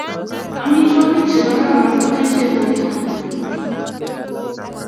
Amitwogik che kororon kotechei borta